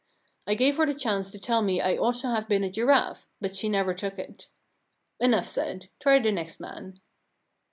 I gave her the chance to tell me I ought to have been a giraffe, but she never took it. Enough said. Try the next man.'